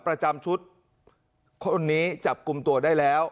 ประจำชุด